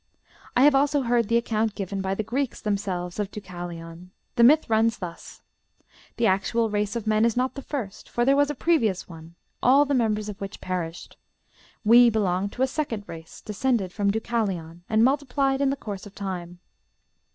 I have also heard the account given by the Greeks themselves of Deucalion; the myth runs thus: The actual race of men is not the first, for there was a previous one, all the members of which perished. We belong to a second race, descended from Deucalion, and multiplied in the course of time.